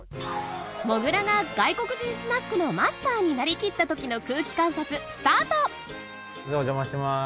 もぐらが外国人スナックのマスターになりきった時の空気観察スタートお邪魔します。